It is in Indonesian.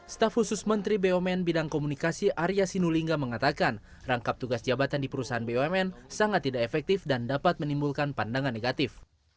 staf khusus menteri bumn bidang komunikasi arya sinulinga mengatakan rangkap tugas jabatan di perusahaan bumn sangat tidak efektif dan dapat menimbulkan pandangan negatif